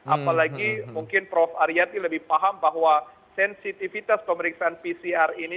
apalagi mungkin prof aryati lebih paham bahwa sensitivitas pemeriksaan pcr ini